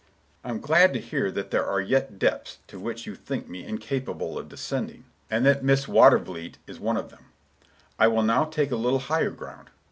Mr. Richards: "I'm glad to hear that there are yet depths to which you think me incapable of descending, and that Miss Watervliet is one of them. I will now take a little higher ground.